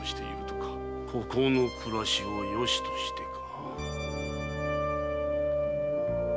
孤高の暮らしをよしとしてか。